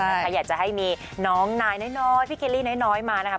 ถ้าอยากจะให้มีน้องนายน้อยพี่เคลลี่น้อยมานะครับ